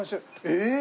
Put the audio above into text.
えっ？